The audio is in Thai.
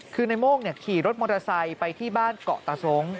คือในโม่งขี่รถมอเตอร์ไซค์ไปที่บ้านเกาะตาทรง